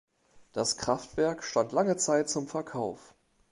Das Kraftwerk stand lange Zeit zum Verkauf.